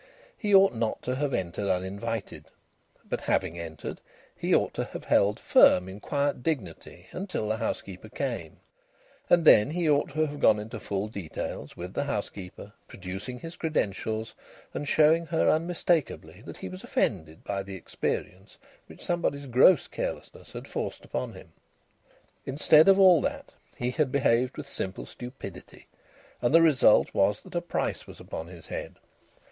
He ought not to have entered uninvited. But having entered, he ought to have held firm in quiet dignity until the housekeeper came, and then he ought to have gone into full details with the housekeeper, producing his credentials and showing her unmistakably that he was offended by the experience which somebody's gross carelessness had forced upon him. Instead of all that, he had behaved with simple stupidity, and the result was that a price was upon his head.